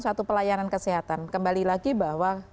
suatu pelayanan kesehatan kembali lagi bahwa